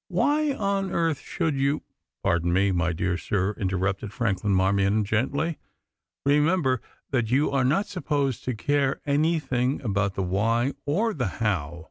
"Why on earth should you " "Pardon me, my dear sir," interrupted Franklin Marmion gently, "remember that you are not supposed to care anything about the why or the how.